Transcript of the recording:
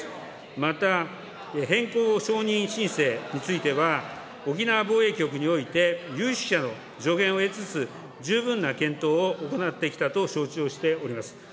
また、変更承認申請については、沖縄防衛局において、有識者の助言を得つつ、十分な検討を行ってきたと承知をしております。